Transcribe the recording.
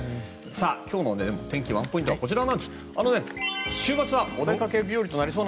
今日の天気ワンポイントはこちら。